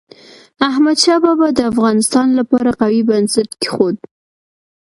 احمد شاه بابا د افغانستان لپاره قوي بنسټ کېښود.